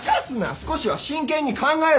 少しは真剣に考えろ。